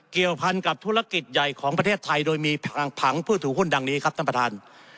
เกี่ยวพันธ์ออกกับธุรกิจใหญ่ของธุรกิจไทยโดยมีผางผู้ถูกหุ้นดังนี้ครับต้านประทาน